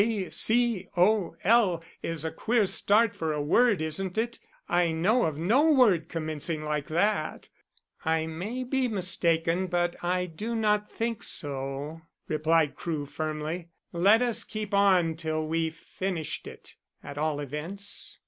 K, C, O, L, is a queer start for a word isn't it? I know of no word commencing like that." "I may be mistaken, but I do not think so," replied Crewe firmly. "Let us keep on till we've finished it, at all events."